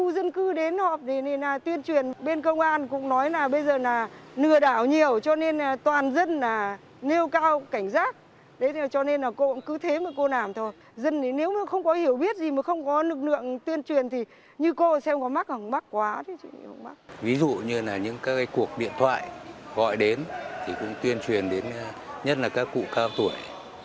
ví dụ như là những các cuộc điện thoại gọi đến thì cũng tuyên truyền đến nhất là các cụ cao tuổi